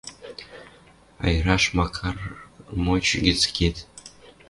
Айыраш, макар, моч гӹц кет.